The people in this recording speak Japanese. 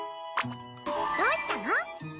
どうしたの？